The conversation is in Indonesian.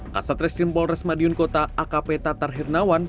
kasat restrim polres madiun kota akp tatar hirnawan